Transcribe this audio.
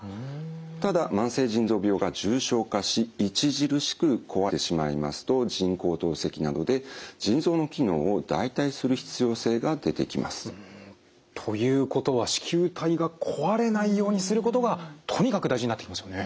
ただ慢性腎臓病が重症化し著しく壊れてしまいますと人工透析などで腎臓の機能を代替する必要性が出てきます。ということは糸球体が壊れないようにすることがとにかく大事になってきますよね。